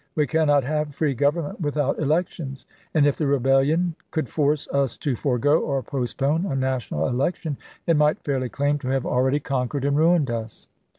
We can not have free Govern ment without elections ; and if the rebellion could force us to forego or postpone a national election, it might fairly claim to have already conquered and ruined us.